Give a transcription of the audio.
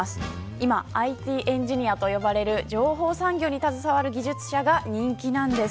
今、ＩＴエンジニアと呼ばれる情報産業に携わる技術者が人気なんです。